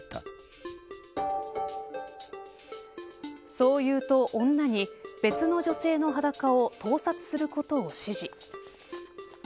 そう言うと、女に別の女性の裸を盗撮することを指示。